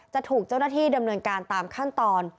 จะถูกเจ้าหน้าที่ดำเนินการตามขั้นตอน